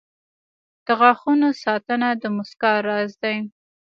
• د غاښونو ساتنه د مسکا راز دی.